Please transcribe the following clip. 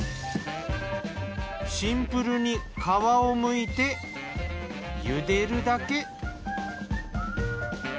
シンプルに皮をむいてゆでるだけ。